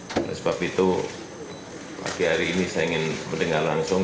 oleh sebab itu pagi hari ini saya ingin mendengar langsung